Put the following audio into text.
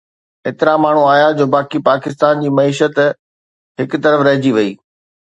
ايترا ماڻهو آيا جو باقي پاڪستان جي معيشت هڪ طرف رهجي وئي